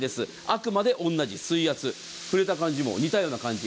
あくまで同じ水圧触れた感じも似たような感じ。